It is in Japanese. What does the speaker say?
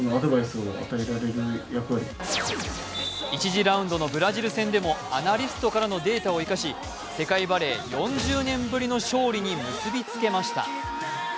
１次ラウンドのブラジル戦でもアナリストからのデータを生かし世界バレー４０年ぶりの勝利に結びつけました。